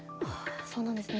そうなんですね。